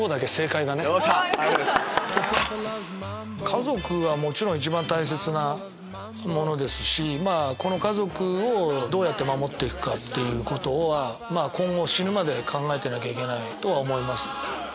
家族はもちろん一番大切なものですしこの家族をどうやって守って行くかっていうことは今後死ぬまで考えてなきゃいけないと思います。